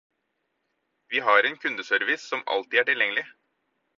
Vi har en kundeservice som alltid er tilgjengelig.